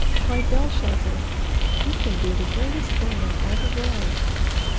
Why Belshazzar, he can do the greatest thing in all the world!